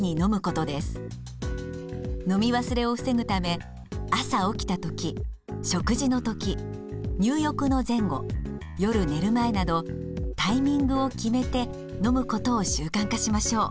飲み忘れを防ぐため朝起きた時食事の時入浴の前後夜寝る前などタイミングを決めて飲むことを習慣化しましょう。